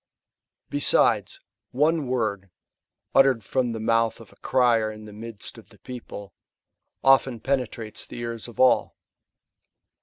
Besides, one word, uttered from the mouth of a crier in the midst of the people, often penetrates the ears of all.